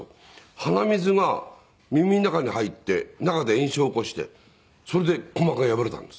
鼻水が耳の中に入って中で炎症を起こしてそれで鼓膜が破れたんです。